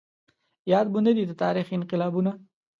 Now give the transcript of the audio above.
ياد مو نه دي د تاريخ انقلابونه